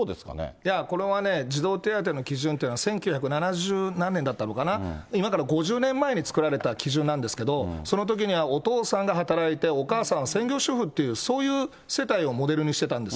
いや、これはね、児童手当の基準っていうのは千九百七十何年だったかな、今から５０年前に作られた基準なんですけど、そのときにはお父さんが働いて、お母さんは専業主婦っていうそういう世帯をモデルにしてたんです。